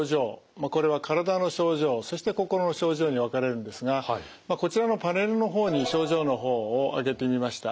これは体の症状そして心の症状に分かれるんですがこちらのパネルの方に症状の方を挙げてみました。